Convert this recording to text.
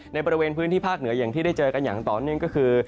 ในบริเวณพื้นที่ภาคเหนืออย่างที่ได้เจอกันอย่างต่อเนื่องก็คือ